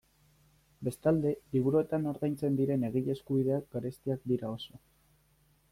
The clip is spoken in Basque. Bestalde, liburuetan ordaintzen diren egile eskubideak garestiak dira oso.